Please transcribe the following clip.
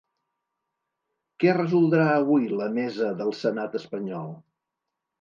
Què resoldrà avui la mesa del senat espanyol?